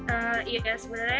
ehm iya sebenarnya